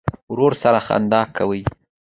ورور سره خندا کوې.